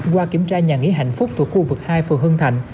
qua kiểm tra nhà nghỉ hạnh phúc thuộc khu vực hai phường hưng thạnh